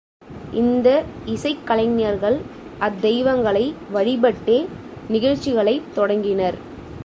இந்த இசைக் கலைஞர்கள் அத்தெய்வங்களை வழிபட்டே நிகழ்ச்சிகளைத் தொடங்கினர்.